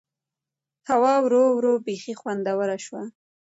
هوا ورو ورو بيخي خوندوره شوه.